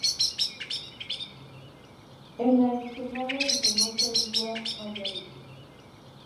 En la ensenada desemboca el río Mayabeque.